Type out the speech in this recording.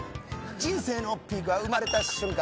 人生のピークは生まれた瞬間